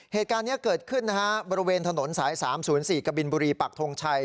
เหตุการณ์นี้เกิดขึ้นนะฮะบริเวณถนนสาย๓๐๔กบินบุรีปักทงชัย